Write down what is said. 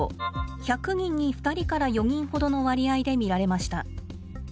１００人に２人から４人ほどの割合で見られました。